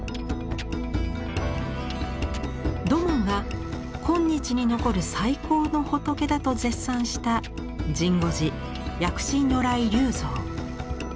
土門が今日に残る最高の仏だと絶賛した神護寺薬師如来立像。